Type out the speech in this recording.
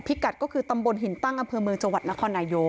พิกัสก็คือตำบลหินตั้งอำเพือนเมืองจนครนายโยค